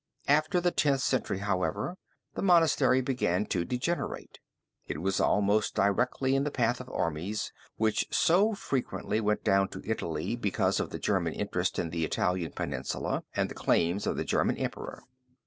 After the Tenth Century, however, the monastery began to degenerate. It was almost directly in the path of armies which so frequently went down to Italy because of the German interest in the Italian peninsula and the claims of the German emperor.